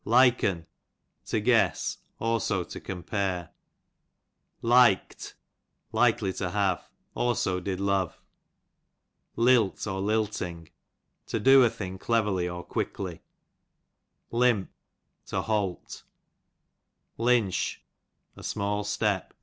Lik^n, to guess\ also to compare, Lik'r, likely to have ; also did love. Lilt, 1 to do a thing cleverly Lilting, 3 or quickly, Liinp, to halt, Linch, a small step.